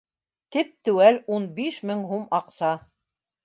— Теп-теәүл ун биш мең һум аҡса